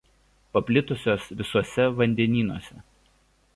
Paplitusios visuose vandenynuose.